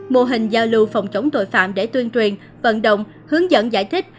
mô hình giao lưu phòng chống tội phạm để tuyên truyền vận động hướng dẫn giải thích